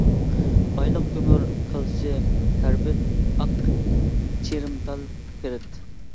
بايلىق كۆمۈر، كالتسىي كاربىد، ئاق چىرىمتال، پىرىت.